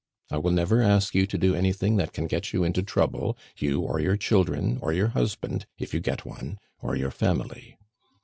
I will never ask you to do anything that can get you into trouble, you or your children, or your husband, if you get one, or your family.